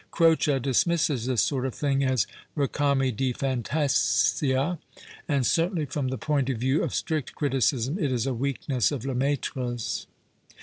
Croce dis misses this sort of thing as ncami di fantasia, and certainly, from the point of view of strict criticism, it is a weakness of Lemaitre's.